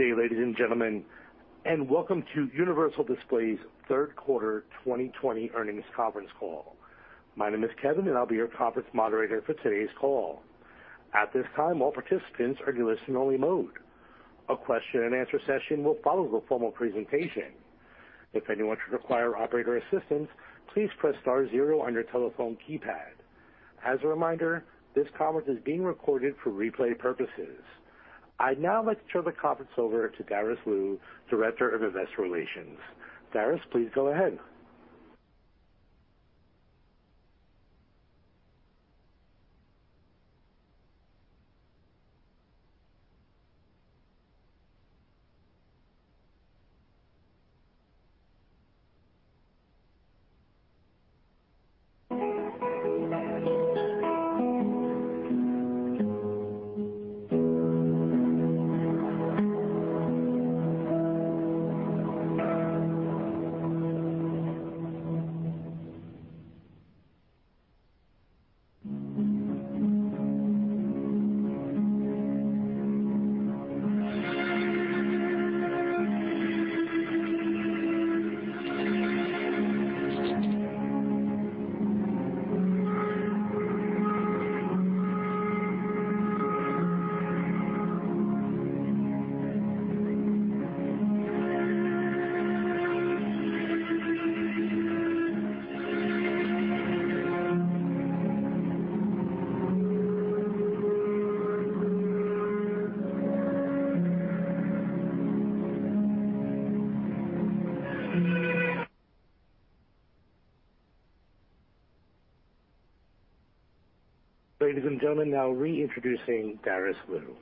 Good day, ladies and gentlemen, and welcome to Universal Display's Third Quarter 2020 Earnings Conference Call. My name is Kevin, and I'll be your conference moderator for today's call. At this time, all participants are in listen-only mode. A question-and-answer session will follow the formal presentation. If anyone should require operator assistance, please press star zero on your telephone keypad. As a reminder, this conference is being recorded for replay purposes. I'd now like to turn the conference over to Darice Liu, Director of Investor Relations. Darice, please go ahead. Ladies and gentlemen, now reintroducing Darice Liu.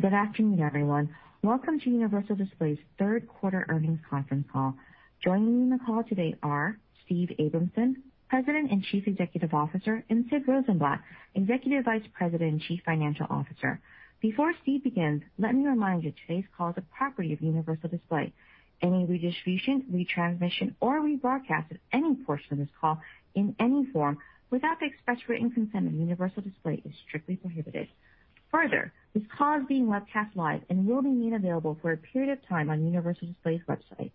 Thank you. Good afternoon, everyone. Welcome to Universal Display's Third Quarter Earnings Conference Call. Joining me in the call today are Steve Abramson, President and Chief Executive Officer, and Sid Rosenblatt, Executive Vice President and Chief Financial Officer. Before Steve begins, let me remind you today's call is a property of Universal Display. Any redistribution, retransmission, or rebroadcast of any portion of this call in any form without the express written consent of Universal Display is strictly prohibited. Further, this call is being webcast live and will remain available for a period of time on Universal Display's website.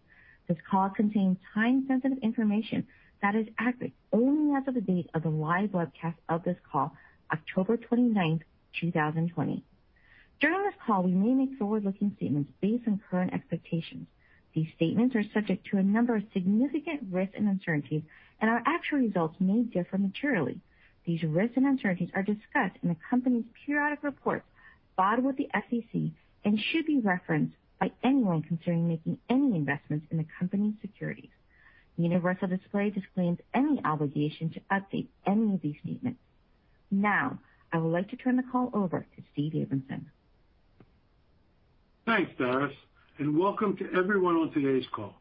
This call contains time-sensitive information that is accurate only as of the date of the live webcast of this call, October 29th, 2020. During this call, we may make forward-looking statements based on current expectations. These statements are subject to a number of significant risks and uncertainties, and our actual results may differ materially. These risks and uncertainties are discussed in the company's periodic reports filed with the SEC and should be referenced by anyone considering making any investments in the company's securities. Universal Display disclaims any obligation to update any of these statements. Now, I would like to turn the call over to Steve Abramson. Thanks, Darice, and welcome to everyone on today's call.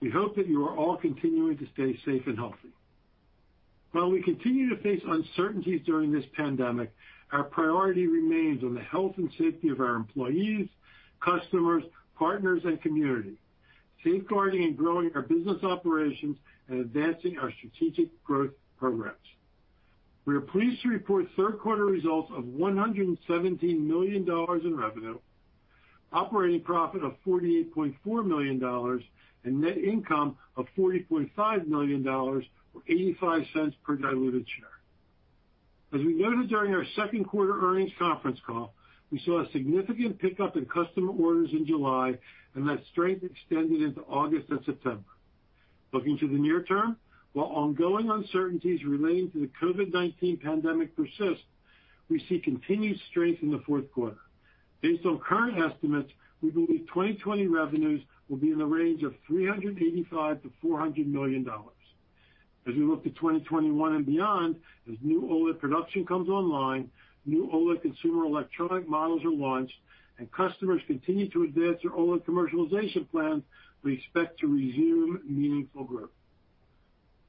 We hope that you are all continuing to stay safe and healthy. While we continue to face uncertainties during this pandemic, our priority remains on the health and safety of our employees, customers, partners, and community, safeguarding and growing our business operations and advancing our strategic growth programs. We are pleased to report third-quarter results of $117 million in revenue, operating profit of $48.4 million, and net income of $40.5 million, or $0.85 per diluted share. As we noted during our second quarter earnings conference call, we saw a significant pickup in customer orders in July, and that strength extended into August and September. Looking to the near term, while ongoing uncertainties relating to the COVID-19 pandemic persist, we see continued strength in the fourth quarter. Based on current estimates, we believe 2020 revenues will be in the range of $385 to $400 million. As we look to 2021 and beyond, as new OLED production comes online, new OLED consumer electronic models are launched, and customers continue to advance their OLED commercialization plans, we expect to resume meaningful growth.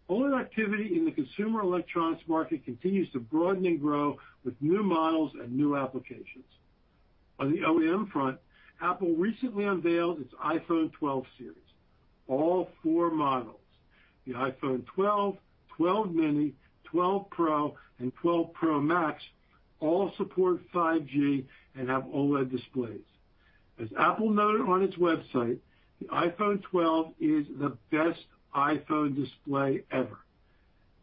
OLED activity in the consumer electronics market continues to broaden and grow with new models and new applications. On the OEM front, Apple recently unveiled its iPhone 12 series. All four models, the iPhone 12, 12 mini, 12 Pro, and 12 Pro Max, all support 5G and have OLED displays. As Apple noted on its website, the iPhone 12 is the best iPhone display ever.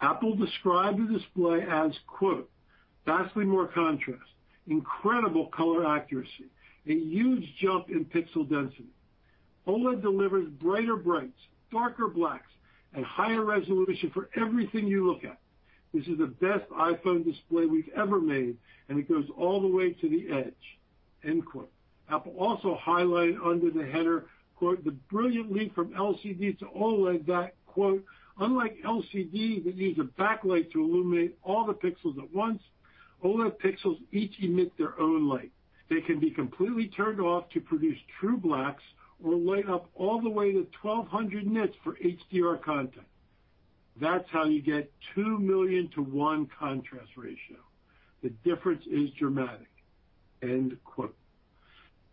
Apple described the display as, quote, "Vastly more contrast, incredible color accuracy, a huge jump in pixel density. OLED delivers brighter brights, darker blacks, and higher resolution for everything you look at. This is the best iPhone display we've ever made, and it goes all the way to the edge." End quote. Apple also highlighted under the header, quote, "The brilliant leap from LCD to OLED that, quote, unlike LCD that used a backlight to illuminate all the pixels at once, OLED pixels each emit their own light. They can be completely turned off to produce true blacks or light up all the way to 1,200 nits for HDR content. That's how you get 2 million to one contrast ratio. The difference is dramatic." End quote.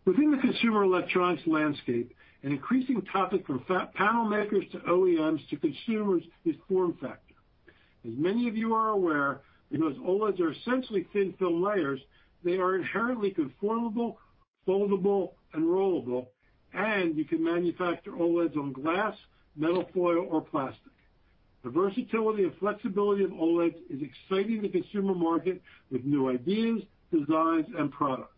Within the consumer electronics landscape, an increasing topic from panel makers to OEMs to consumers is form factor. As many of you are aware, because OLEDs are essentially thin film layers, they are inherently conformable, foldable, and rollable, and you can manufacture OLEDs on glass, metal foil, or plastic. The versatility and flexibility of OLEDs is exciting the consumer market with new ideas, designs, and products.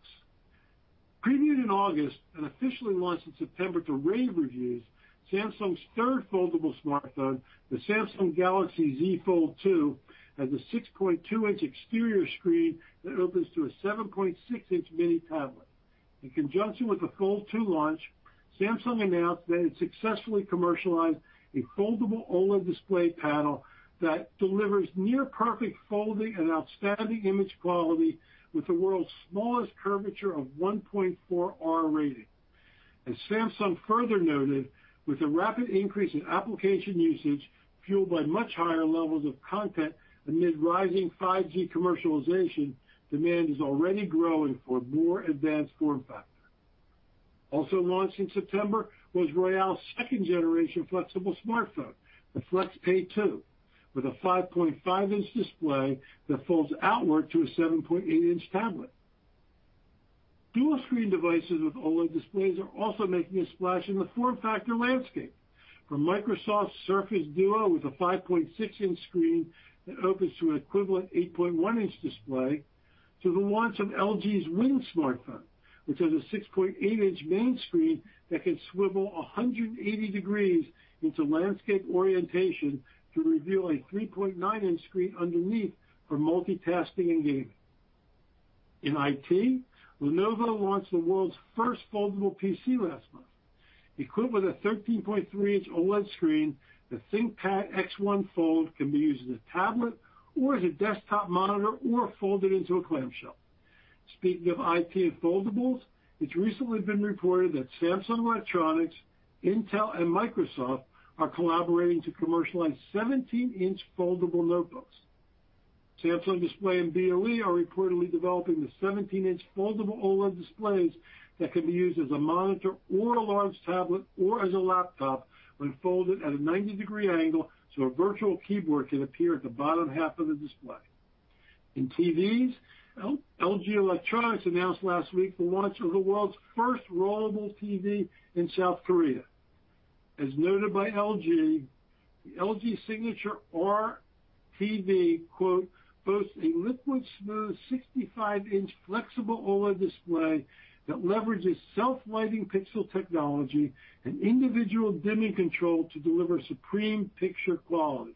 Premiered in August and officially launched in September to rave reviews, Samsung's third foldable smartphone, the Samsung Galaxy Z Fold2, has a 6.2-inch exterior screen that opens to a 7.6-inch mini tablet. In conjunction with the Fold2 launch, Samsung announced that it successfully commercialized a foldable OLED display panel that delivers near-perfect folding and outstanding image quality with the world's smallest curvature of 1.4R rating. As Samsung further noted, with a rapid increase in application usage fueled by much higher levels of content amid rising 5G commercialization, demand is already growing for more advanced form factor. Also launched in September was Royole's second-generation flexible smartphone, the FlexPai 2, with a 5.5-inch display that folds outward to a 7.8-inch tablet. Dual-screen devices with OLED displays are also making a splash in the form factor landscape. From Microsoft's Surface Duo with a 5.6-inch screen that opens to an equivalent 8.1-inch display to the launch of LG Wing smartphone, which has a 6.8-inch main screen that can swivel 180 degrees into landscape orientation to reveal a 3.9-inch screen underneath for multitasking and gaming. In IT, Lenovo launched the world's first foldable PC last month. Equipped with a 13.3-inch OLED screen, the ThinkPad X1 Fold can be used as a tablet or as a desktop monitor or folded into a clamshell. Speaking of IT and foldables, it's recently been reported that Samsung Electronics, Intel, and Microsoft are collaborating to commercialize 17-inch foldable notebooks. Samsung Display and BOE are reportedly developing the 17-inch foldable OLED displays that can be used as a monitor or a large tablet or as a laptop when folded at a 90-degree angle so a virtual keyboard can appear at the bottom half of the display. In TVs, LG Electronics announced last week the launch of the world's first rollable TV in South Korea. As noted by LG, the LG Signature R TV, quote, "boasts a liquid-smooth 65-inch flexible OLED display that leverages self-lighting pixel technology and individual dimming control to deliver supreme picture quality."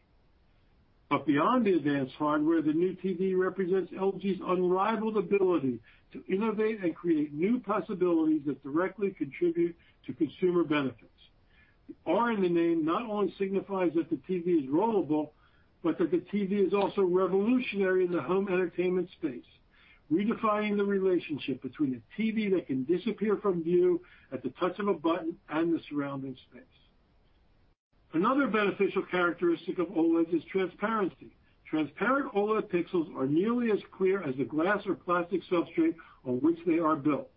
But beyond the advanced hardware, the new TV represents LG's unrivaled ability to innovate and create new possibilities that directly contribute to consumer benefits. The R in the name not only signifies that the TV is rollable but that the TV is also revolutionary in the home entertainment space, redefining the relationship between a TV that can disappear from view at the touch of a button and the surrounding space. Another beneficial characteristic of OLEDs is transparency. Transparent OLED pixels are nearly as clear as the glass or plastic substrate on which they are built.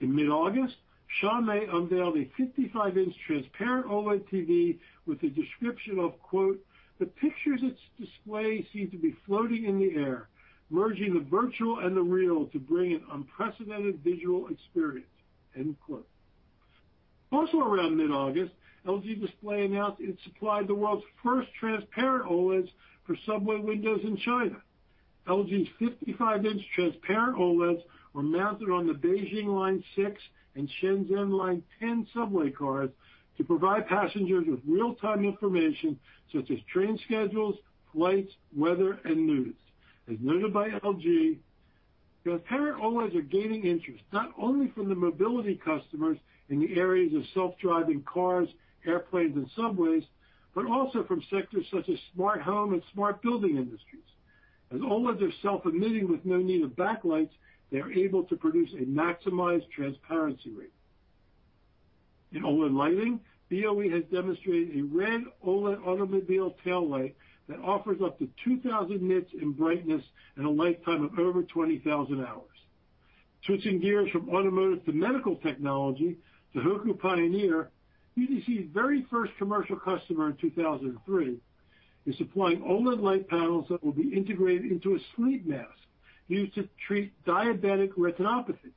In mid-August, Xiaomi unveiled a 55-inch transparent OLED TV with a description of, quote, "the pictures it displays seem to be floating in the air, merging the virtual and the real to bring an unprecedented visual experience." End quote. Also around mid-August, LG Display announced it supplied the world's first transparent OLEDs for subway windows in China. LG's 55-inch transparent OLEDs were mounted on the Beijing Line 6 and Shenzhen Line 10 subway cars to provide passengers with real-time information such as train schedules, flights, weather, and news. As noted by LG, transparent OLEDs are gaining interest not only from the mobility customers in the areas of self-driving cars, airplanes, and subways, but also from sectors such as smart home and smart building industries. As OLEDs are self-emitting with no need of backlights, they are able to produce a maximized transparency rate. In OLED lighting, BOE has demonstrated a red OLED automobile tail light that offers up to 2,000 nits in brightness and a lifetime of over 20,000 hours. Switching gears from automotive to medical technology to Tohoku Pioneer, UDC's very first commercial customer in 2003, is supplying OLED light panels that will be integrated into a sleep mask used to treat diabetic retinopathy.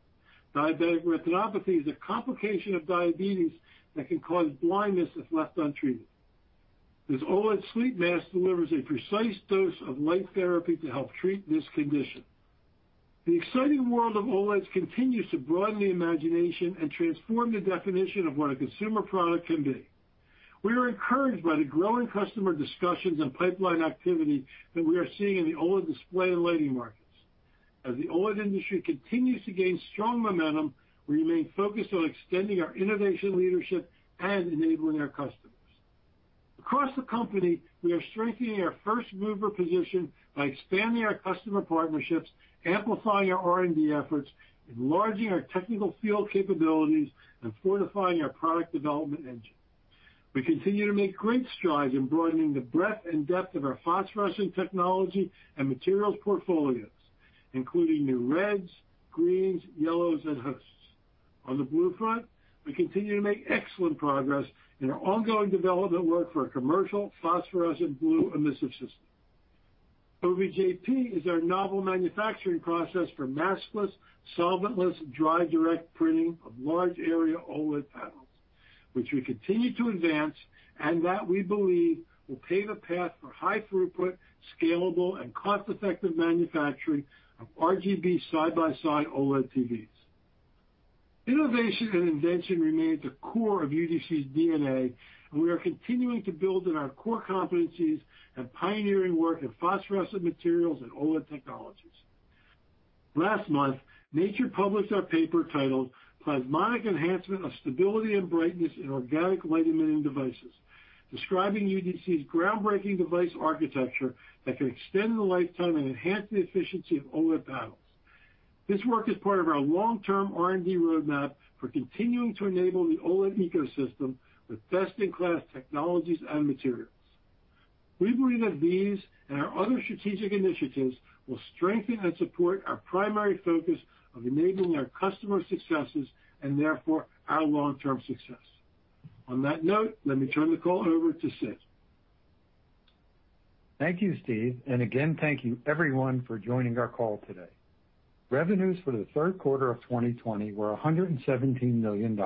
Diabetic retinopathy is a complication of diabetes that can cause blindness if left untreated. This OLED sleep mask delivers a precise dose of light therapy to help treat this condition. The exciting world of OLEDs continues to broaden the imagination and transform the definition of what a consumer product can be. We are encouraged by the growing customer discussions and pipeline activity that we are seeing in the OLED display and lighting markets. As the OLED industry continues to gain strong momentum, we remain focused on extending our innovation leadership and enabling our customers. Across the company, we are strengthening our first mover position by expanding our customer partnerships, amplifying our R&D efforts, enlarging our technical field capabilities, and fortifying our product development engine. We continue to make great strides in broadening the breadth and depth of our phosphorescent technology and materials portfolios, including new reds, greens, yellows, and hosts. On the blue front, we continue to make excellent progress in our ongoing development work for a commercial phosphorescent blue emissive system. OVJP is our novel manufacturing process for maskless, solventless, dry-direct printing of large-area OLED panels, which we continue to advance and that we believe will pave a path for high-throughput, scalable, and cost-effective manufacturing of RGB side-by-side OLED TVs. Innovation and invention remain the core of UDC's DNA, and we are continuing to build on our core competencies and pioneering work in phosphorescent materials and OLED technologies. Last month, Nature published our paper titled "Plasmonic Enhancement of Stability and Brightness in Organic Light Emitting Devices," describing UDC's groundbreaking device architecture that can extend the lifetime and enhance the efficiency of OLED panels. This work is part of our long-term R&D roadmap for continuing to enable the OLED ecosystem with best-in-class technologies and materials. We believe that these and our other strategic initiatives will strengthen and support our primary focus of enabling our customer successes and therefore our long-term success. On that note, let me turn the call over to Sid. Thank you, Steve, and again, thank you everyone for joining our call today. Revenues for the third quarter of 2020 were $117 million,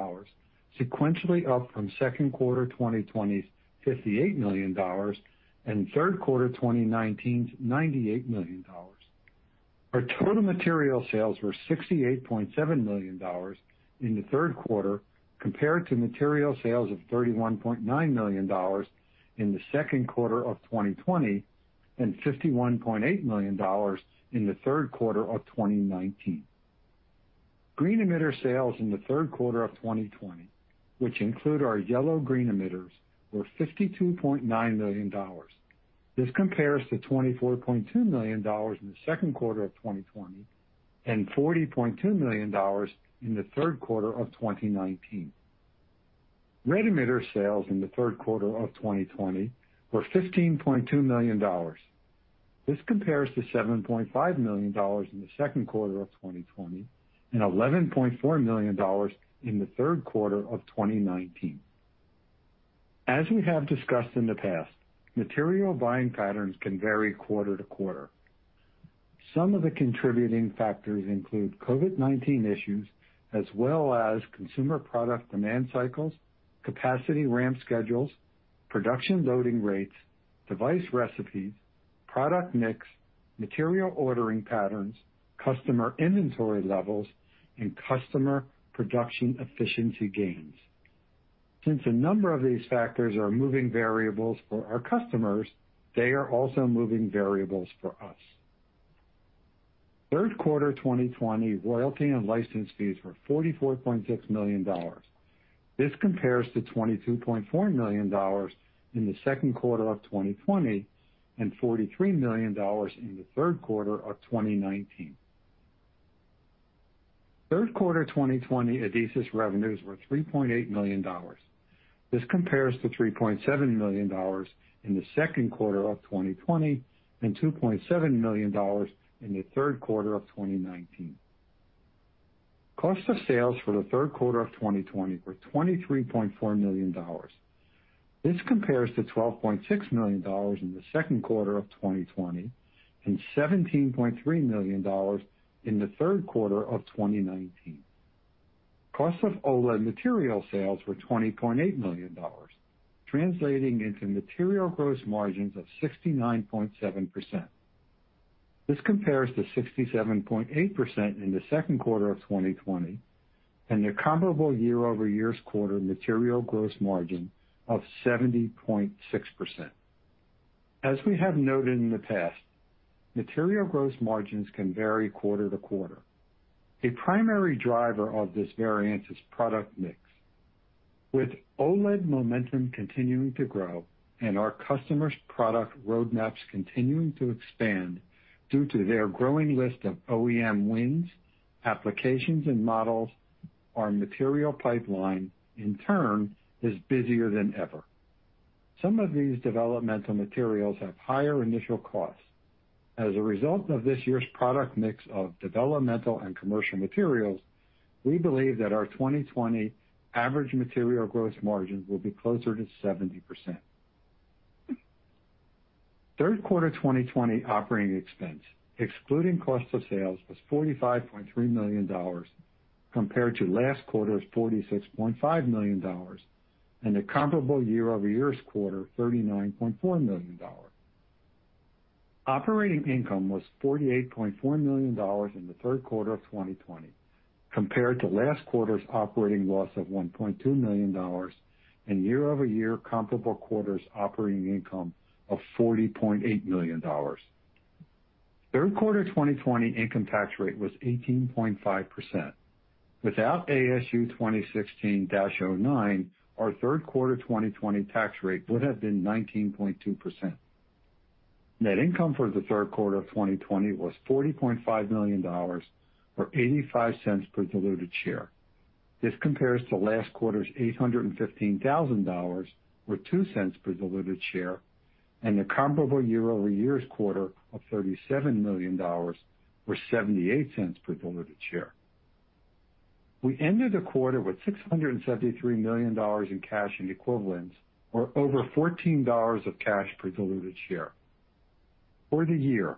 sequentially up from second quarter 2020's $58 million and third quarter 2019's $98 million. Our total material sales were $68.7 million in the third quarter compared to material sales of $31.9 million in the second quarter of 2020 and $51.8 million in the third quarter of 2019. Green emitter sales in the third quarter of 2020, which include our yellow-green emitters, were $52.9 million. This compares to $24.2 million in the second quarter of 2020 and $40.2 million in the third quarter of 2019. Red emitter sales in the third quarter of 2020 were $15.2 million. This compares to $7.5 million in the second quarter of 2020 and $11.4 million in the third quarter of 2019. As we have discussed in the past, material buying patterns can vary quarter to quarter. Some of the contributing factors include COVID-19 issues as well as consumer product demand cycles, capacity ramp schedules, production loading rates, device recipes, product mix, material ordering patterns, customer inventory levels, and customer production efficiency gains. Since a number of these factors are moving variables for our customers, they are also moving variables for us. Third quarter 2020, royalty and license fees were $44.6 million. This compares to $22.4 million in the second quarter of 2020 and $43 million in the third quarter of 2019. Third quarter 2020, Adesis revenues were $3.8 million. This compares to $3.7 million in the second quarter of 2020 and $2.7 million in the third quarter of 2019. Cost of sales for the third quarter of 2020 were $23.4 million. This compares to $12.6 million in the second quarter of 2020 and $17.3 million in the third quarter of 2019. Cost of OLED material sales were $20.8 million, translating into material gross margins of 69.7%. This compares to 67.8% in the second quarter of 2020 and the comparable year-over-year quarter material gross margin of 70.6%. As we have noted in the past, material gross margins can vary quarter to quarter. A primary driver of this variance is product mix. With OLED momentum continuing to grow and our customers' product roadmaps continuing to expand due to their growing list of OEM wins, applications, and models, our material pipeline, in turn, is busier than ever. Some of these developmental materials have higher initial costs. As a result of this year's product mix of developmental and commercial materials, we believe that our 2020 average material gross margins will be closer to 70%. Third quarter 2020 operating expense, excluding cost of sales, was $45.3 million compared to last quarter's $46.5 million and the comparable year-over-year quarter's $39.4 million. Operating income was $48.4 million in the third quarter of 2020 compared to last quarter's operating loss of $1.2 million and year-over-year comparable quarter's operating income of $40.8 million. Third quarter 2020 income tax rate was 18.5%. Without ASU 2016-09, our third quarter 2020 tax rate would have been 19.2%. Net income for the third quarter of 2020 was $40.5 million or $0.85 per diluted share. This compares to last quarter's $815,000 or $0.02 per diluted share, and the comparable year-over-year quarter of $37 million or $0.78 per diluted share. We ended the quarter with $673 million in cash and equivalents, or over $14 of cash per diluted share. For the year,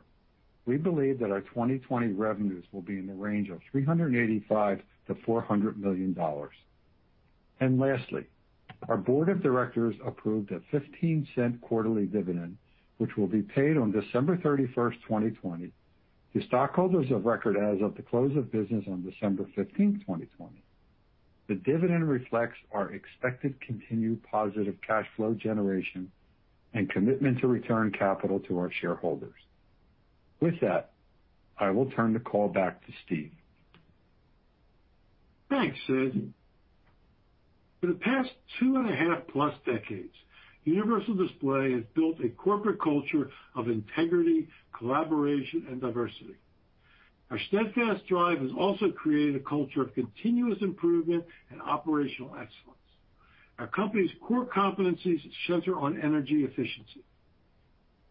we believe that our 2020 revenues will be in the range of $385-$400 million, and lastly, our board of directors approved a $0.15 quarterly dividend, which will be paid on December 31st, 2020, to stockholders of record as of the close of business on December 15th, 2020. The dividend reflects our expected continued positive cash flow generation and commitment to return capital to our shareholders. With that, I will turn the call back to Steve. Thanks, Sid. For the past two and a half plus decades, Universal Display has built a corporate culture of integrity, collaboration, and diversity. Our steadfast drive has also created a culture of continuous improvement and operational excellence. Our company's core competencies center on energy efficiency.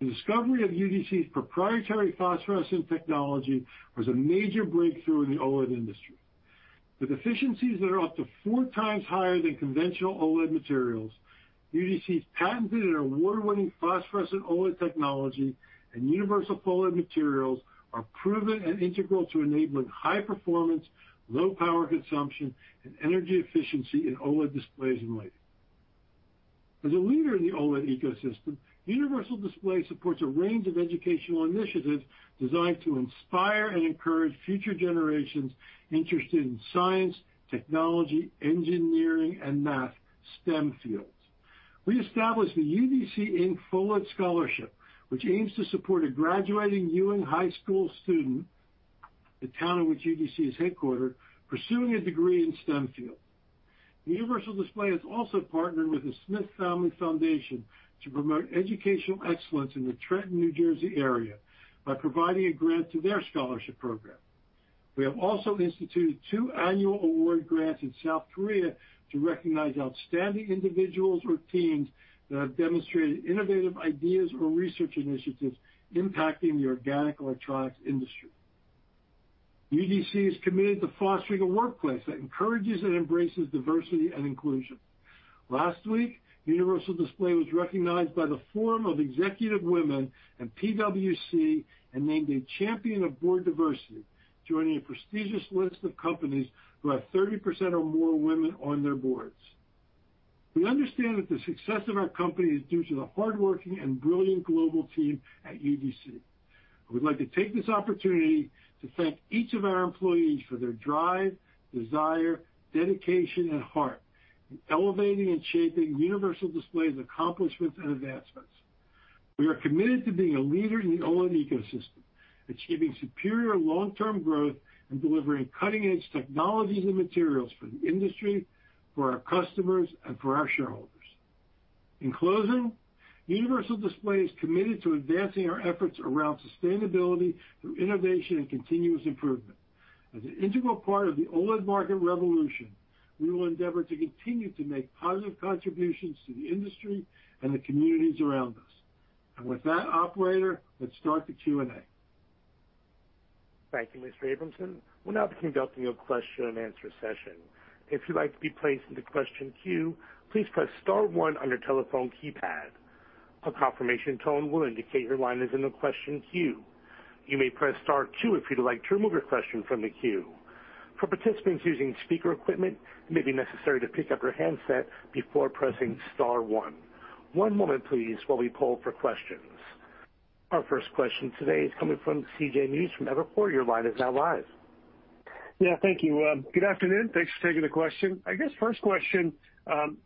The discovery of UDC's proprietary phosphorescent technology was a major breakthrough in the OLED industry. With efficiencies that are up to four times higher than conventional OLED materials, UDC's patented and award-winning phosphorescent OLED technology and UniversalPHOLED Materials are proven and integral to enabling high performance, low power consumption, and energy efficiency in OLED displays and lighting. As a leader in the OLED ecosystem, Universal Display supports a range of educational initiatives designed to inspire and encourage future generations interested in science, technology, engineering, and math, STEM fields. We established the UDC Inc. PHOLED Scholarship, which aims to support a graduating Ewing High School student, the town in which UDC is headquartered, pursuing a degree in STEM fields. Universal Display has also partnered with the Smith Family Foundation to promote educational excellence in the Trenton, New Jersey area by providing a grant to their scholarship program. We have also instituted two annual award grants in South Korea to recognize outstanding individuals or teams that have demonstrated innovative ideas or research initiatives impacting the organic electronics industry. UDC is committed to fostering a workplace that encourages and embraces diversity and inclusion. Last week, Universal Display was recognized by the Forum of Executive Women and PwC and named a Champion of Board Diversity, joining a prestigious list of companies who have 30% or more women on their boards. We understand that the success of our company is due to the hardworking and brilliant global team at UDC. I would like to take this opportunity to thank each of our employees for their drive, desire, dedication, and heart in elevating and shaping Universal Display's accomplishments and advancements. We are committed to being a leader in the OLED ecosystem, achieving superior long-term growth and delivering cutting-edge technologies and materials for the industry, for our customers, and for our shareholders. In closing, Universal Display is committed to advancing our efforts around sustainability through innovation and continuous improvement. As an integral part of the OLED market revolution, we will endeavor to continue to make positive contributions to the industry and the communities around us. And with that, operator, let's start the Q&A. Thank you, Mr. Abramson. We'll now begin the opening of question-and-answer session. If you'd like to be placed into question queue, please press Star one on your telephone keypad. A confirmation tone will indicate your line is in the question queue. You may press Star two if you'd like to remove your question from the queue. For participants using speaker equipment, it may be necessary to pick up your handset before pressing Star one. One moment, please, while we pull for questions. Our first question today is coming from CJ Muse from Evercore ISI. Your line is now live. Yeah, thank you. Good afternoon. Thanks for taking the question. I guess first question,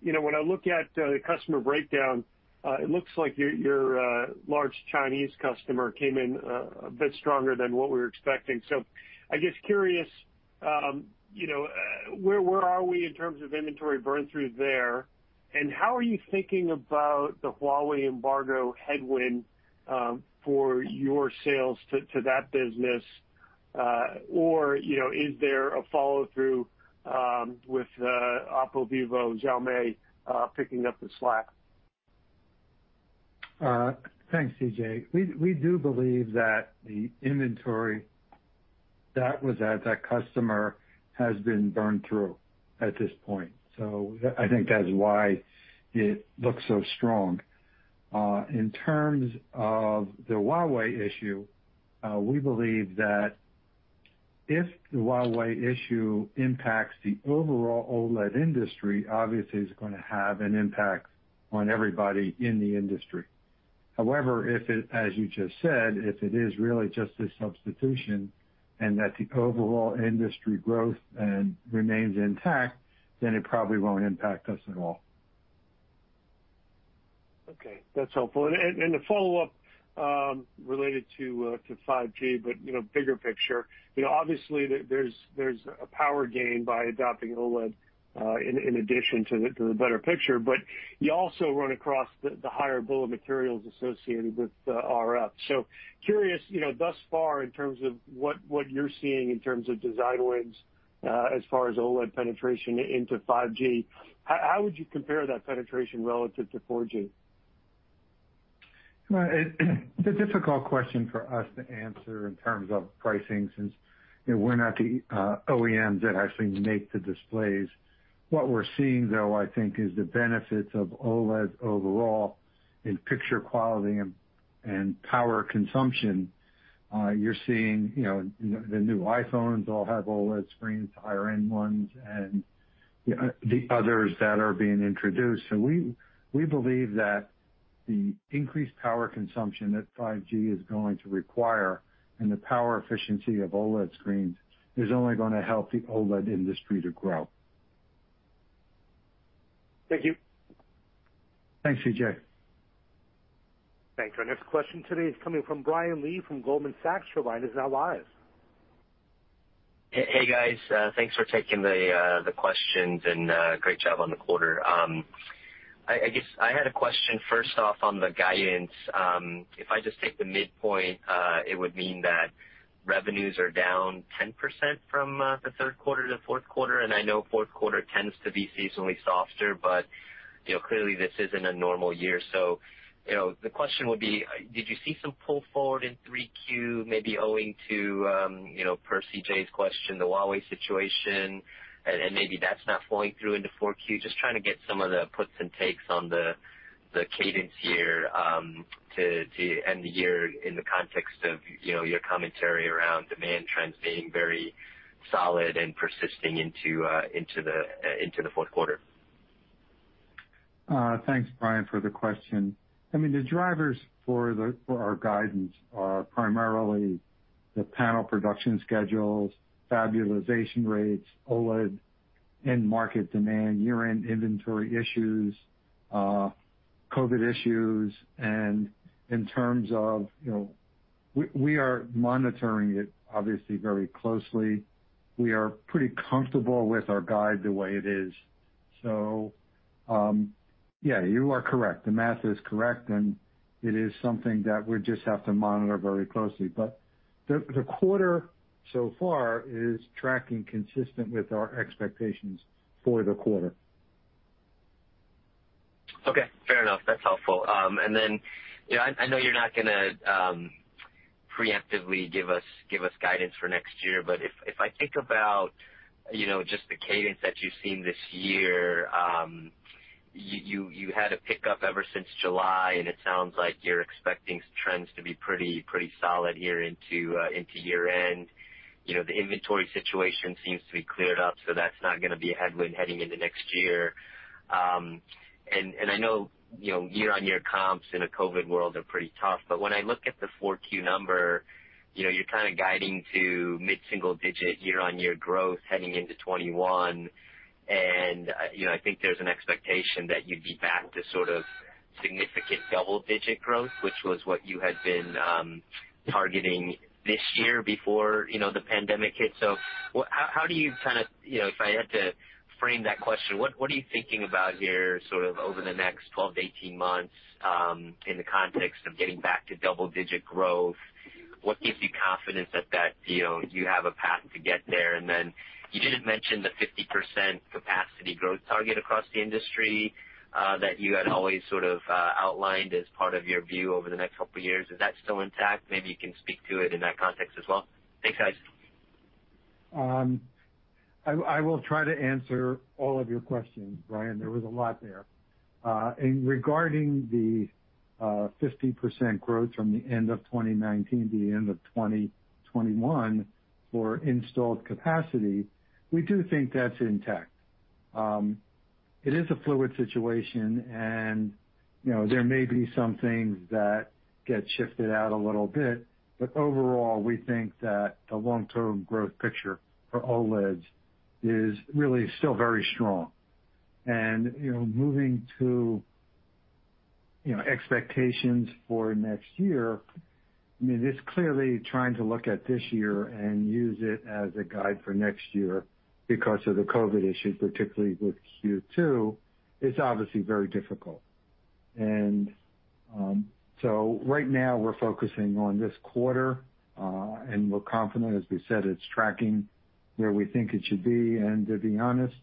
you know, when I look at the customer breakdown, it looks like your large Chinese customer came in a bit stronger than what we were expecting. So I guess curious, you know, where are we in terms of inventory burn-through there? And how are you thinking about the Huawei embargo headwind for your sales to that business? Or, you know, is there a follow-through with OPPO, Vivo, Xiaomi picking up the slack? Thanks, CJ. We do believe that the inventory that was at that customer has been burned through at this point. So I think that's why it looks so strong. In terms of the Huawei issue, we believe that if the Huawei issue impacts the overall OLED industry, obviously it's going to have an impact on everybody in the industry. However, if it, as you just said, if it is really just a substitution and that the overall industry growth remains intact, then it probably won't impact us at all. Okay. That's helpful. And a follow-up related to 5G, but, you know, bigger picture, you know, obviously there's a power gain by adopting OLED in addition to the better picture, but you also run across the higher bill of materials associated with RF. So curious, you know, thus far in terms of what you're seeing in terms of design wins as far as OLED penetration into 5G, how would you compare that penetration relative to 4G? It's a difficult question for us to answer in terms of pricing since, you know, we're not the OEMs that actually make the displays. What we're seeing, though, I think, is the benefits of OLED overall in picture quality and power consumption. You're seeing, you know, the new iPhones all have OLED screens, the higher-end ones, and the others that are being introduced. So we believe that the increased power consumption that 5G is going to require and the power efficiency of OLED screens is only going to help the OLED industry to grow. Thank you. Thanks, CJ. Thanks. Our next question today is coming from Brian Lee from Goldman Sachs who is now live. Hey, guys. Thanks for taking the questions and great job on the quarter. I guess I had a question first off on the guidance. If I just take the midpoint, it would mean that revenues are down 10% from the third quarter to the fourth quarter, and I know fourth quarter tends to be seasonally softer, but, you know, clearly this isn't a normal year, so, you know, the question would be, did you see some pull forward in 3Q, maybe owing to, you know, per CJ's question, the Huawei situation, and maybe that's not flowing through into 4Q? Just trying to get some of the puts and takes on the cadence here to end the year in the context of, you know, your commentary around demand trends being very solid and persisting into the fourth quarter. Thanks, Brian, for the question. I mean, the drivers for our guidance are primarily the panel production schedules, fab utilization rates, OLED and market demand, year-end inventory issues, COVID issues, and in terms of, you know, we are monitoring it, obviously, very closely. We are pretty comfortable with our guidance the way it is, so yeah, you are correct. The math is correct, and it is something that we just have to monitor very closely, but the quarter so far is tracking consistent with our expectations for the quarter. Okay. Fair enough. That's helpful. And then, you know, I know you're not going to preemptively give us guidance for next year, but if I think about, you know, just the cadence that you've seen this year, you had a pickup ever since July, and it sounds like you're expecting trends to be pretty solid here into year-end. You know, the inventory situation seems to be cleared up, so that's not going to be a headwind heading into next year. And I know, you know, year-on-year comps in a COVID world are pretty tough. But when I look at the 4Q number, you know, you're kind of guiding to mid-single-digit year-on-year growth heading into 2021. And, you know, I think there's an expectation that you'd be back to sort of significant double-digit growth, which was what you had been targeting this year before, you know, the pandemic hit. So how do you kind of, you know, if I had to frame that question, what are you thinking about here sort of over the next 12 to 18 months in the context of getting back to double-digit growth? What gives you confidence that you have a path to get there? And then you didn't mention the 50% capacity growth target across the industry that you had always sort of outlined as part of your view over the next couple of years. Is that still intact? Maybe you can speak to it in that context as well. Thanks, guys. I will try to answer all of your questions, Brian. There was a lot there, and regarding the 50% growth from the end of 2019 to the end of 2021 for installed capacity, we do think that's intact. It is a fluid situation, and, you know, there may be some things that get shifted out a little bit, but overall, we think that the long-term growth picture for OLEDs is really still very strong, and, you know, moving to, you know, expectations for next year, I mean, it's clearly trying to look at this year and use it as a guide for next year because of the COVID issue, particularly with Q2, is obviously very difficult, and so right now, we're focusing on this quarter, and we're confident, as we said, it's tracking where we think it should be. To be honest,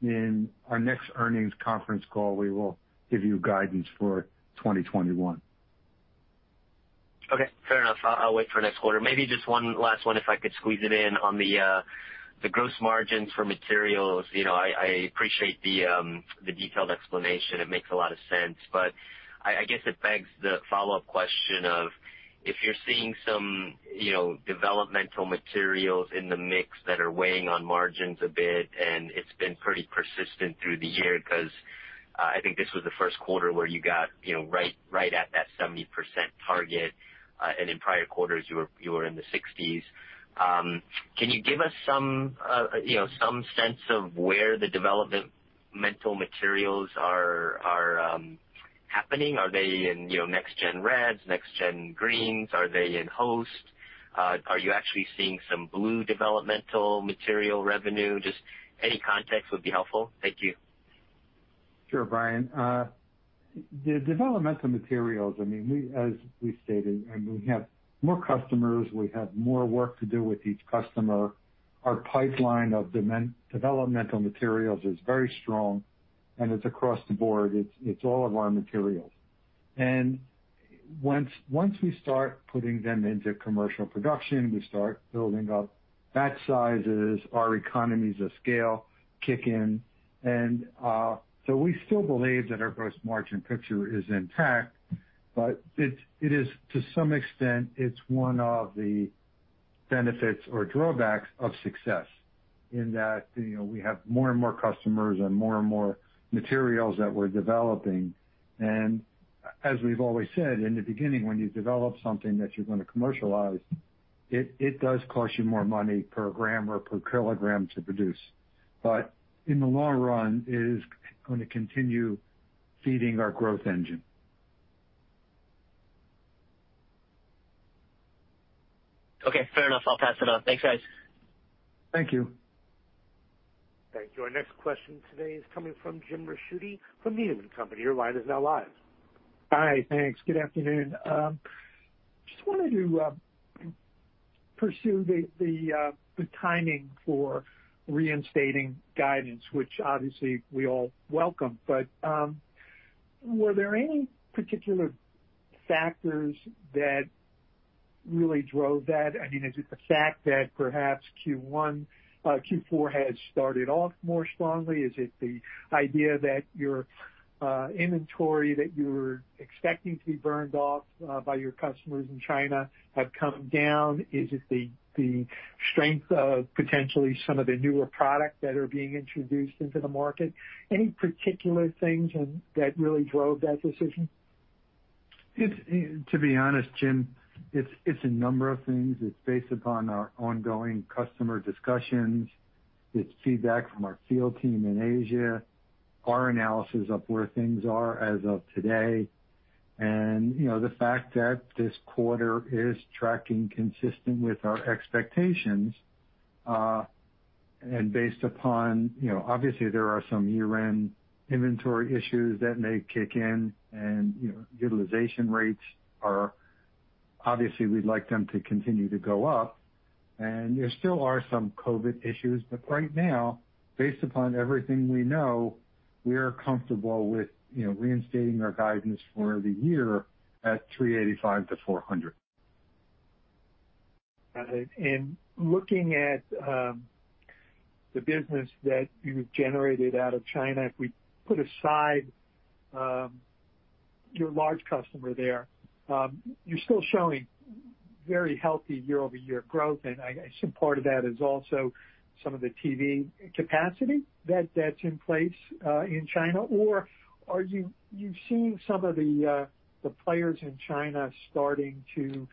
in our next earnings conference call, we will give you guidance for 2021. Okay. Fair enough. I'll wait for next quarter. Maybe just one last one, if I could squeeze it in on the gross margins for materials. You know, I appreciate the detailed explanation. It makes a lot of sense. But I guess it begs the follow-up question of if you're seeing some, you know, developmental materials in the mix that are weighing on margins a bit, and it's been pretty persistent through the year because I think this was the first quarter where you got, you know, right at that 70% target, and in prior quarters, you were in the 60s. Can you give us some, you know, some sense of where the developmental materials are happening? Are they in, you know, next-gen reds, next-gen greens? Are they in host? Are you actually seeing some blue developmental material revenue? Just any context would be helpful. Thank you. Sure, Brian. The developmental materials, I mean, as we stated, I mean, we have more customers. We have more work to do with each customer. Our pipeline of developmental materials is very strong, and it's across the board. It's all of our materials. And once we start putting them into commercial production, we start building up batch sizes. Our economies of scale kick in. And so we still believe that our gross margin picture is intact, but it is, to some extent, it's one of the benefits or drawbacks of success in that, you know, we have more and more customers and more and more materials that we're developing. And as we've always said in the beginning, when you develop something that you're going to commercialize, it does cost you more money per gram or per kilogram to produce. But in the long run, it is going to continue feeding our growth engine. Okay. Fair enough. I'll pass it off. Thanks, guys. Thank you. Thank you. Our next question today is coming from Jim Ricchiuti from Needham & Company. Your line is now live. Hi. Thanks. Good afternoon. Just wanted to pursue the timing for reinstating guidance, which obviously we all welcome. But were there any particular factors that really drove that? I mean, is it the fact that perhaps Q1, Q4 has started off more strongly? Is it the idea that your inventory that you were expecting to be burned off by your customers in China have come down? Is it the strength of potentially some of the newer products that are being introduced into the market? Any particular things that really drove that decision? To be honest, Jim, it's a number of things. It's based upon our ongoing customer discussions. It's feedback from our field team in Asia, our analysis of where things are as of today, and you know, the fact that this quarter is tracking consistent with our expectations and based upon, you know, obviously, there are some year-end inventory issues that may kick in, and you know, utilization rates are obviously, we'd like them to continue to go up, and there still are some COVID issues, but right now, based upon everything we know, we are comfortable with you know, reinstating our guidance for the year at 385 to 400. Got it. And looking at the business that you've generated out of China, if we put aside your large customer there, you're still showing very healthy year-over-year growth. And I assume part of that is also some of the TV capacity that's in place in China. Or are you seeing some of the players in China starting to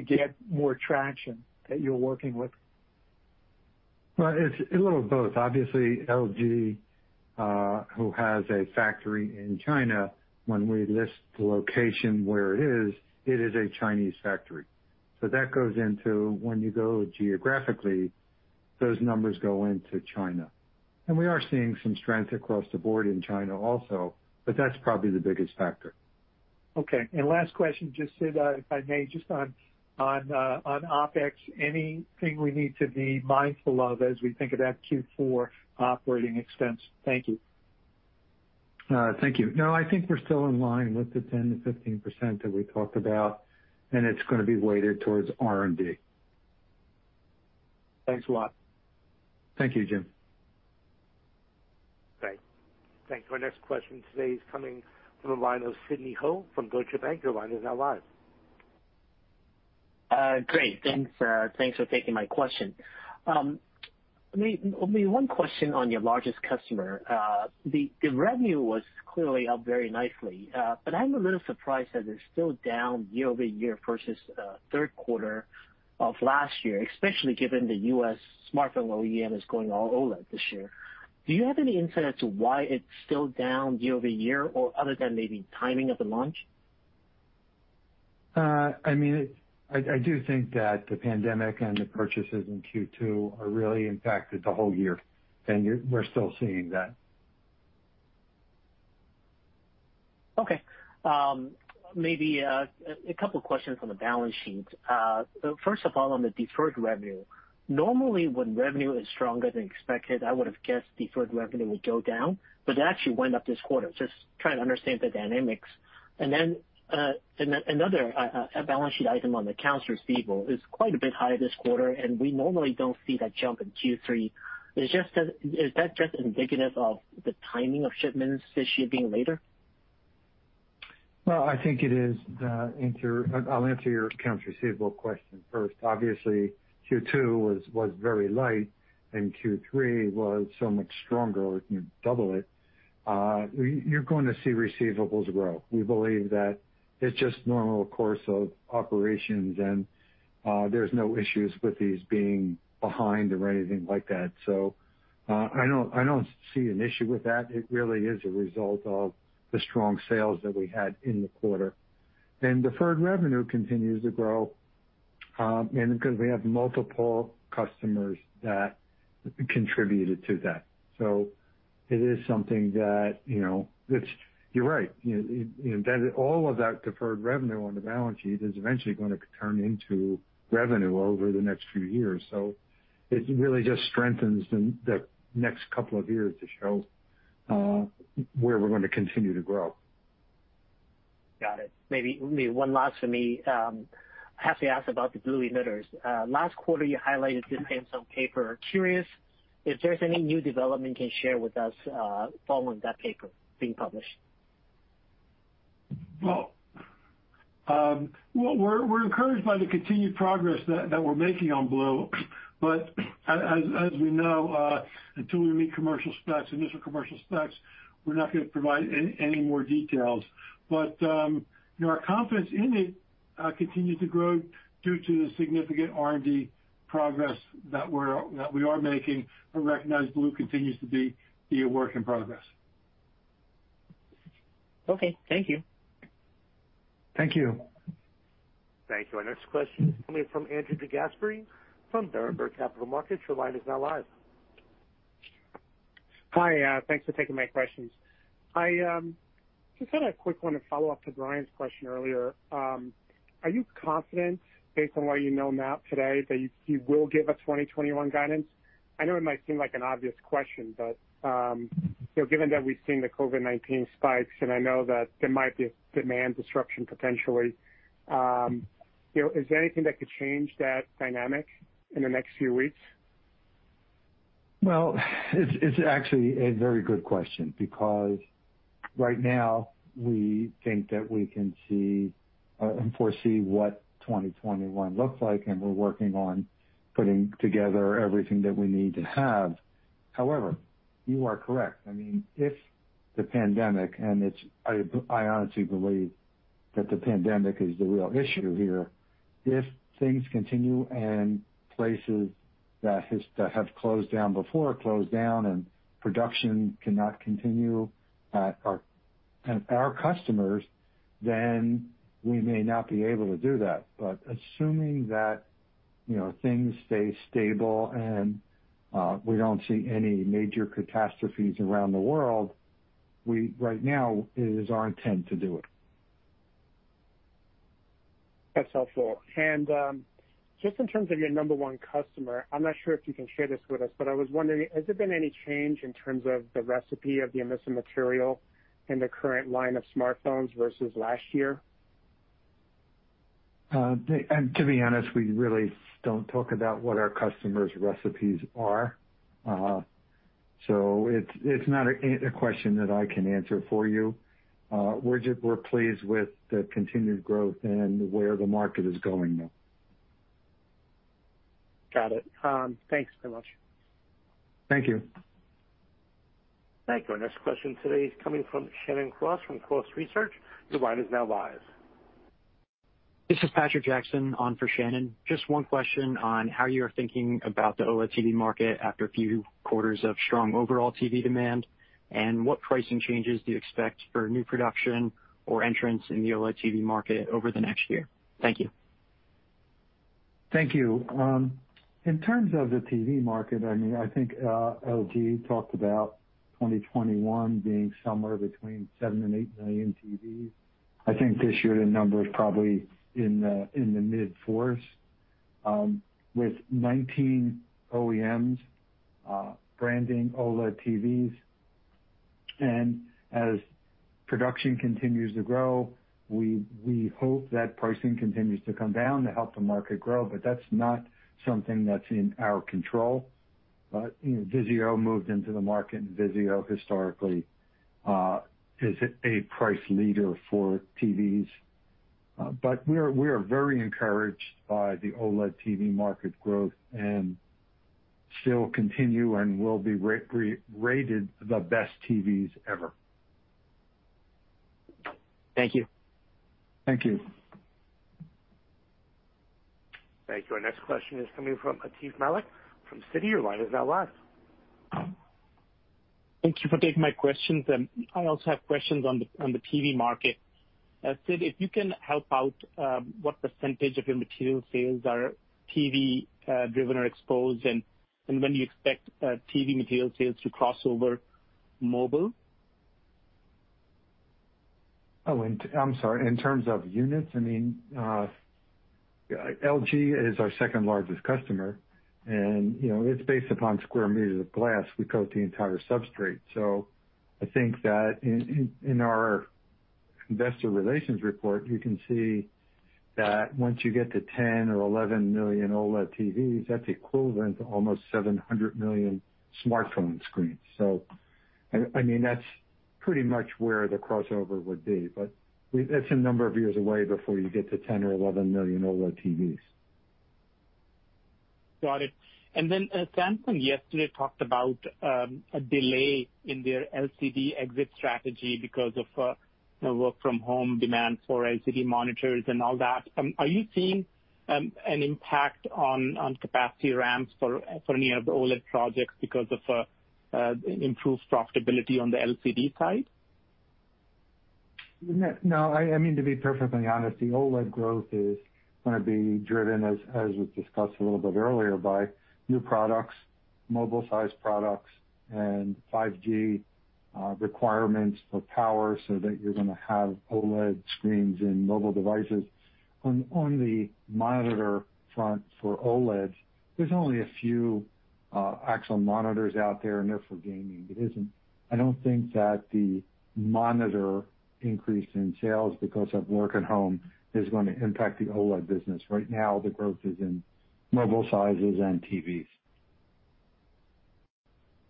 get more traction that you're working with? It's a little of both. Obviously, LG, who has a factory in China, when we list the location where it is, it is a Chinese factory. So that goes into when you go geographically, those numbers go into China, and we are seeing some strength across the board in China also, but that's probably the biggest factor. Okay. And last question, just if I may, just on OpEx, anything we need to be mindful of as we think about Q4 operating expense? Thank you. Thank you. No, I think we're still in line with the 10%-15% that we talked about, and it's going to be weighted towards R&D. Thanks a lot. Thank you, Jim. Great. Thanks. Our next question today is coming from the line of Sidney Ho from Deutsche Bank. Your line is now live. Great. Thanks for taking my question. Only one question on your largest customer. The revenue was clearly up very nicely, but I'm a little surprised that it's still down year-over-year versus third quarter of last year, especially given the U.S. smartphone OEM is going all OLED this year. Do you have any insight as to why it's still down year-over-year or other than maybe timing of the launch? I mean, I do think that the pandemic and the purchases in Q2 have really impacted the whole year, and we're still seeing that. Okay. Maybe a couple of questions on the balance sheet. First of all, on the deferred revenue. Normally, when revenue is stronger than expected, I would have guessed deferred revenue would go down, but it actually went up this quarter. Just trying to understand the dynamics. And then another balance sheet item on the accounts receivable is quite a bit higher this quarter, and we normally don't see that jump in Q3. Is that just indicative of the timing of shipments this year being later? I think it is. I'll answer your accounts receivable question first. Obviously, Q2 was very light, and Q3 was so much stronger, you double it. You're going to see receivables grow. We believe that it's just normal course of operations, and there's no issues with these being behind or anything like that. So I don't see an issue with that. It really is a result of the strong sales that we had in the quarter. And deferred revenue continues to grow because we have multiple customers that contributed to that. So it is something that, you know, you're right. All of that deferred revenue on the balance sheet is eventually going to turn into revenue over the next few years. So it really just strengthens the next couple of years to show where we're going to continue to grow. Got it. Maybe one last for me. I have to ask about the Blue Emitters. Last quarter, you highlighted this in some paper. Curious if there's any new development you can share with us following that paper being published. We're encouraged by the continued progress that we're making on Blue. But as we know, until we meet commercial specs, initial commercial specs, we're not going to provide any more details. But our confidence in it continues to grow due to the significant R&D progress that we are making. We recognize Blue continues to be a work in progress. Okay. Thank you. Thank you. Thank you. Our next question is coming from Andrew DeGasperi from Berenberg Capital Markets. Your line is now live. Hi. Thanks for taking my questions. Just had a quick one to follow up to Brian's question earlier. Are you confident, based on what you know now today, that you will give a 2021 guidance? I know it might seem like an obvious question, but given that we've seen the COVID-19 spikes, and I know that there might be demand disruption potentially, is there anything that could change that dynamic in the next few weeks? It's actually a very good question because right now, we think that we can see and foresee what 2021 looks like, and we're working on putting together everything that we need to have. However, you are correct. I mean, if the pandemic, and I honestly believe that the pandemic is the real issue here, if things continue and places that have closed down before close down and production cannot continue at our customers, then we may not be able to do that. But assuming that things stay stable and we don't see any major catastrophes around the world, right now, it is our intent to do it. That's helpful. And just in terms of your number one customer, I'm not sure if you can share this with us, but I was wondering, has there been any change in terms of the recipe of the emissive material in the current line of smartphones versus last year? To be honest, we really don't talk about what our customers' recipes are. So it's not a question that I can answer for you. We're pleased with the continued growth and where the market is going now. Got it. Thanks so much. Thank you. Thank you. Our next question today is coming from Shannon Cross from Cross Research. Your line is now live. This is Parker Jackson on for Shannon. Just one question on how you are thinking about the OLED TV market after a few quarters of strong overall TV demand, and what pricing changes do you expect for new production or entrance in the OLED TV market over the next year? Thank you. Thank you. In terms of the TV market, I mean, I think LG talked about 2021 being somewhere between seven and eight million TVs. I think this year the number is probably in the mid-4s with 19 OEMs branding OLED TVs. And as production continues to grow, we hope that pricing continues to come down to help the market grow, but that's not something that's in our control. Vizio moved into the market, and Vizio historically is a price leader for TVs. But we are very encouraged by the OLED TV market growth and still continue and will be rated the best TVs ever. Thank you. Thank you. Thank you. Our next question is coming from Atif Malik from Citi. Your line is now live. Thank you for taking my questions. I also have questions on the TV market. Sid, if you can help out, what percentage of your material sales are TV-driven or exposed, and when do you expect TV material sales to cross over mobile? Oh, I'm sorry. In terms of units, I mean, LG is our second largest customer, and it's based upon square meters of glass. We coat the entire substrate. So I think that in our investor relations report, you can see that once you get to 10 or 11 million OLED TVs, that's equivalent to almost 700 million smartphone screens. So I mean, that's pretty much where the crossover would be, but it's a number of years away before you get to 10 or 11 million OLED TVs. Got it. And then Samsung yesterday talked about a delay in their LCD exit strategy because of work-from-home demand for LCD monitors and all that. Are you seeing an impact on capacity ramps for any of the OLED projects because of improved profitability on the LCD side? No. I mean, to be perfectly honest, the OLED growth is going to be driven, as was discussed a little bit earlier, by new products, mobile-sized products, and 5G requirements for power so that you're going to have OLED screens in mobile devices. On the monitor front for OLEDs, there's only a few actual monitors out there, and they're for gaming. I don't think that the monitor increase in sales because of work at home is going to impact the OLED business. Right now, the growth is in mobile sizes and TVs.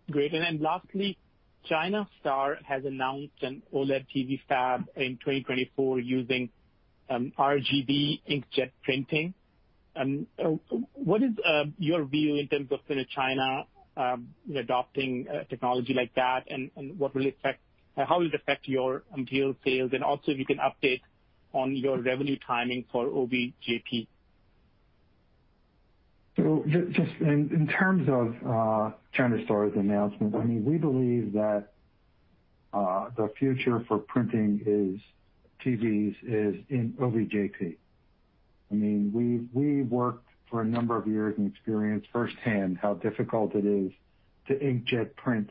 Great. And then lastly, China Star has announced an OLED TV fab in 2024 using RGB inkjet printing. What is your view in terms of China adopting technology like that, and how will it affect your material sales? And also, if you can update on your revenue timing for OVJP? So just in terms of China Star's announcement, I mean, we believe that the future for printing TVs is in OVJP. I mean, we've worked for a number of years and experienced firsthand how difficult it is to inkjet print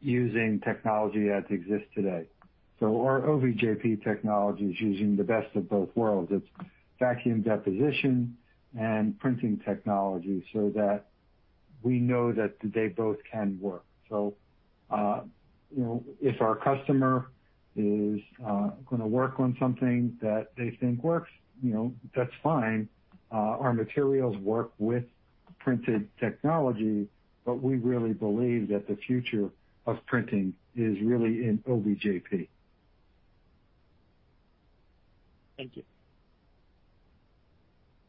using technology as it exists today. So our OVJP technology is using the best of both worlds. It's vacuum deposition and printing technology so that we know that they both can work. So if our customer is going to work on something that they think works, that's fine. Our materials work with printed technology, but we really believe that the future of printing is really in OVJP. Thank you.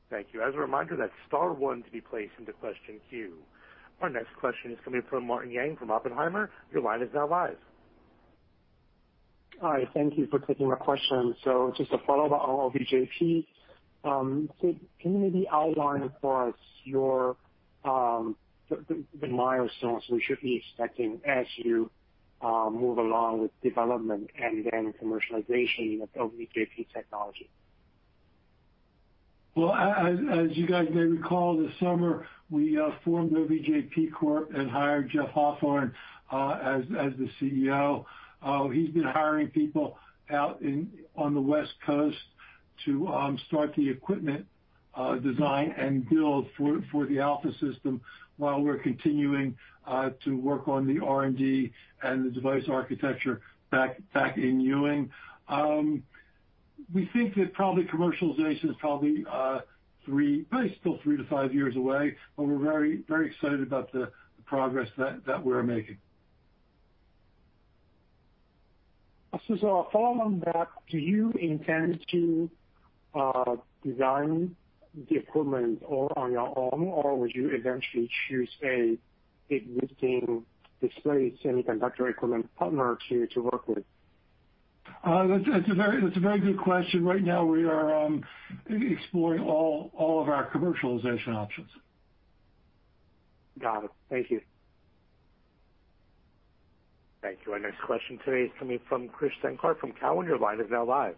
Thank you. As a reminder, press star one to be placed into the question queue. Our next question is coming from Martin Yang from Oppenheimer. Your line is now live. Hi. Thank you for taking my question. So just a follow-up on OVJP. Sid, can you maybe outline for us the milestones we should be expecting as you move along with development and then commercialization of OVJP technology? As you guys may recall, this summer, we formed OVJP Corp and hired Jeff Hawthorne as the CEO. He's been hiring people out on the West Coast to start the equipment design and build for the Alpha system while we're continuing to work on the R&D and the device architecture back in Ewing. We think that probably commercialization is probably still three to five years away, but we're very excited about the progress that we're making. So following that, do you intend to design the equipment all on your own, or would you eventually choose an existing display semiconductor equipment partner to work with? That's a very good question. Right now, we are exploring all of our commercialization options. Got it. Thank you. Thank you. Our next question today is coming from Krish Sankar from Cowen. Your line is now live.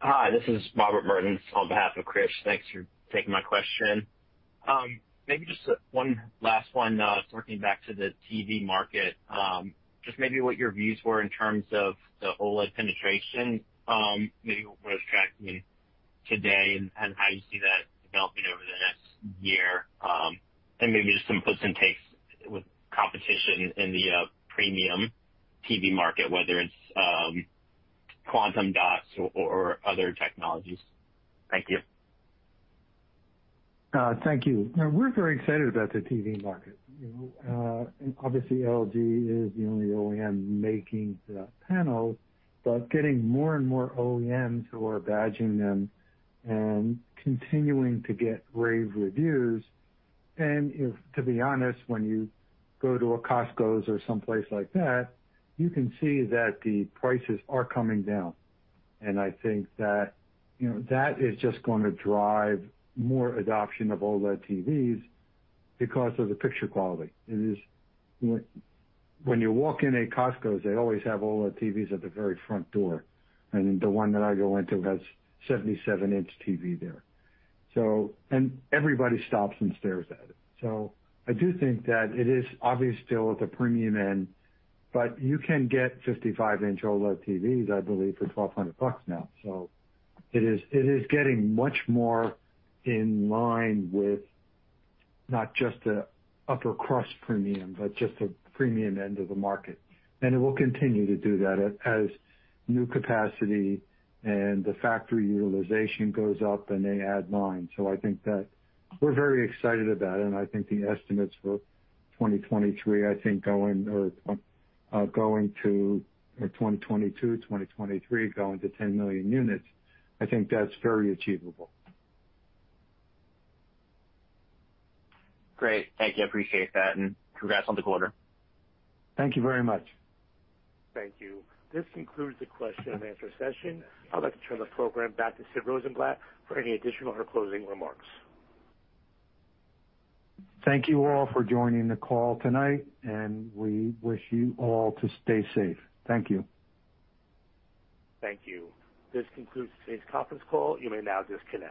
Hi. This is Robert Burns on behalf of Krish. Thanks for taking my question. Maybe just one last one talking back to the TV market. Just maybe what your views were in terms of the OLED penetration, maybe what is tracking today and how you see that developing over the next year, and maybe just some puts and takes with competition in the premium TV market, whether it's Quantum Dots or other technologies. Thank you. Thank you. We're very excited about the TV market. Obviously, LG is the only OEM making the panels, but getting more and more OEMs who are badging them and continuing to get rave reviews, and to be honest, when you go to a Costco or someplace like that, you can see that the prices are coming down. I think that that is just going to drive more adoption of OLED TVs because of the picture quality. When you walk in a Costco, they always have OLED TVs at the very front door, and the one that I go into has a 77-inch TV there, and everybody stops and stares at it, so I do think that it is obvious still with the premium end, but you can get 55-inch OLED TVs, I believe, for $1,200 now. So it is getting much more in line with not just the upper-crust premium, but just the premium end of the market. And it will continue to do that as new capacity and the factory utilization goes up and they add lines. So I think that we're very excited about it. And I think the estimates for 2023, I think going to 2022, 2023, going to 10 million units, I think that's very achievable. Great. Thank you. I appreciate that, and congrats on the quarter. Thank you very much. Thank you. This concludes the question and answer session. I'd like to turn the program back to Sid Rosenblatt for any additional or closing remarks. Thank you all for joining the call tonight, and we wish you all to stay safe. Thank you. Thank you. This concludes today's conference call. You may now disconnect.